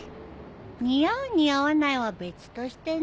似合う似合わないは別としてね。